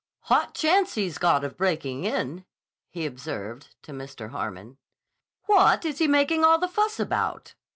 "Hot chance he's got of breaking in," he observed to Mr. Harmon. "What is he making all the fuss about?"